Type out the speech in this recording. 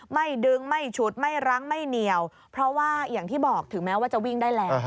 ไม่ดึงไม่ฉุดไม่รั้งไม่เหนียวเพราะว่าอย่างที่บอกถึงแม้ว่าจะวิ่งได้แล้ว